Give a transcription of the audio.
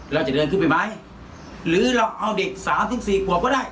เราจะเดินขึ้นไปไหมหรือเราเอาเด็ก๓๔ขวบก็ได้